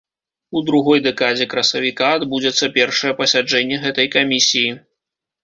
У другой дэкадзе красавіка адбудзецца першае пасяджэнне гэтай камісіі.